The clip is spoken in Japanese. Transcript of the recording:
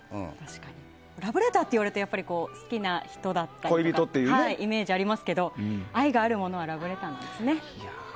ラブレターって言われるとやっぱり、好きな人だったりってイメージがありますけど愛があるものはラブレターなんですね。